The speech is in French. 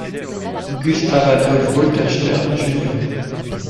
Gustaf Adolf Boltenstern, Jr.